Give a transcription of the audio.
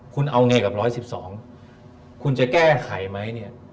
คุณเอาไงกับ๑๑๒คุณจะแก้ไขไหมเนี่ย